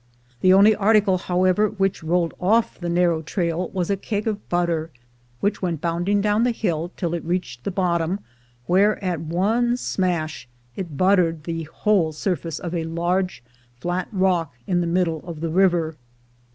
The only article, however, which rolled off the narrow trail was a keg of butter, which went bounding down the hill till it reached the bottom, where at one smash it buttered the whole surface of a large flat rock in the middle of the river.